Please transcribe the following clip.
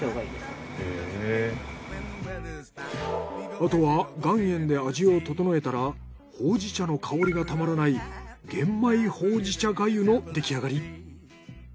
あとは岩塩で味を調えたらほうじ茶の香りがたまらない玄米ほうじ茶粥のできあがり。